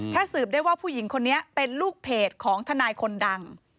ถ้าสืบได้ว่าผู้หญิงคนนี้เป็นลูกเพจของทนายคนดัง